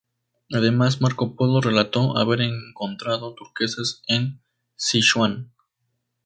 Además, Marco Polo relató haber encontrado turquesas en Sichuan.